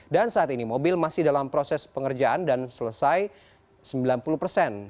dan saat ini mobil masih dalam proses pengerjaan dan selesai sembilan puluh persen